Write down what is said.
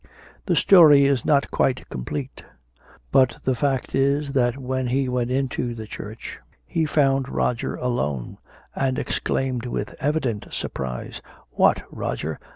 The story is not quite complete. But the fact is, that when he went into the church he found Roger alone, and exclaimed with evident surprise, "_What, Roger!